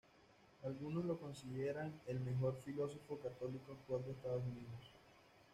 Algunos lo consideran el mejor filósofo católico actual de Estados Unidos.